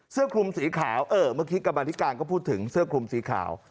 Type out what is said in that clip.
เสื้อคลุมสีขาวเออเมื่อกี้กรรมธิการก็พูดถึงเสื้อคลุมสีขาว